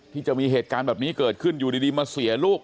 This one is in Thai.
ที่จะมีเหตุการณ์แบบนี้เกิดขึ้นอยู่ดีมาเสียลูก